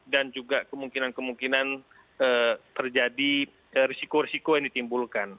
dan juga kemungkinan kemungkinan terjadi risiko risiko yang ditimbulkan